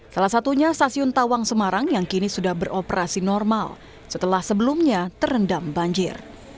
salah satunya stasiun tawang semarang yang kini sudah beroperasi normal setelah sebelumnya terendam banjir